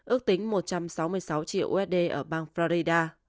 ước tính một trăm sáu mươi sáu triệu usd ở bang florida